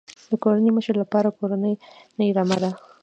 د کورنۍ مشر لپاره کورنۍ رمه ده.